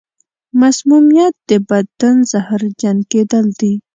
مسمومیت د بدن زهرجن کېدل دي.